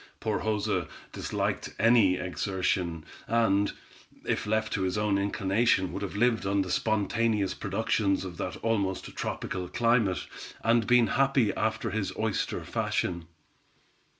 Poor Joza disliked any exertion, and, if left to his own inclination, would have lived on the spontaneous productions of that almost tropical climate, and been happy after his oyster fashion.